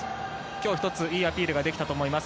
今日１つ、いいアピールができたと思います。